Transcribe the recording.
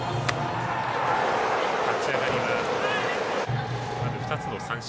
立ち上がりは２つの三振。